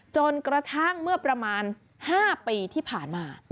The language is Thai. จนกระทั่งเมื่อประมาณ๕ปีที่ผ่านมา